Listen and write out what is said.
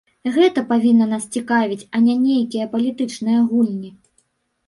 Гэта павінна нас цікавіць, а не нейкія палітычныя гульні.